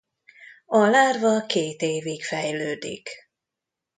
A lárva két évig fejlődik.